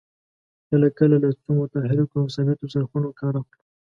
کله کله له څو متحرکو او ثابتو څرخونو کار اخلو.